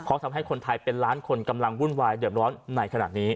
เพราะทำให้คนไทยเป็นล้านคนกำลังวุ่นวายเดือบร้อนในขณะนี้